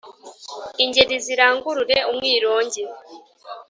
Ingeri zirangurure umwirongi